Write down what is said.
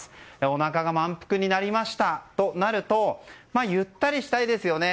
おなかが満腹になったとなるとゆったりしたいですよね。